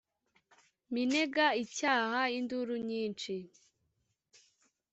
Minega icyaha induru nyinshi